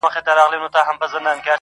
پر مزار مي زنګېدلی بیرغ غواړم -